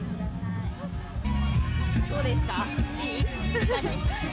どうですか？